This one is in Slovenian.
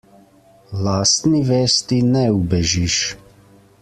Lastni vesti ne ubežiš.